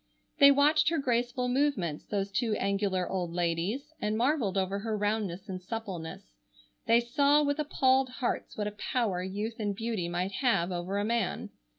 They watched her graceful movements, those two angular old ladies, and marvelled over her roundness and suppleness. They saw with appalled hearts what a power youth and beauty might have over a man.